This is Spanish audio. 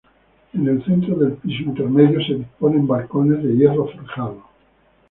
En el centro del piso intermedio se disponen balcones de hierro forjado.